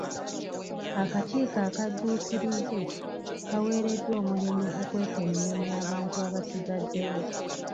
Akakiiko akadduukirize kaweereddwa omulimu okwekenneenya abantu abasigaddewo.